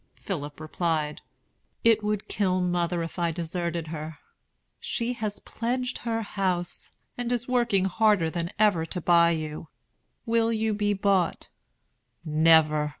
Philip replied: "It would kill mother if I deserted her. She has pledged her house, and is working harder than ever to buy you. Will you be bought?" "Never!"